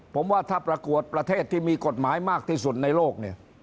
ผมว่าถ้าประกวดประเทศที่มีกฎหมายมากที่สุดในโลกเนี่ย